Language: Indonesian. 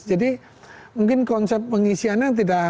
jadi mungkin konsep pengisiannya